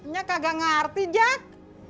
nya kagak ngerti jack